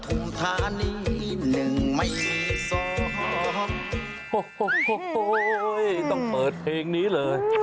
โอ้โฮต้องเปิดเพลงนี้เลย